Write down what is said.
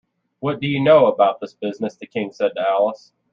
‘What do you know about this business?’ the King said to Alice.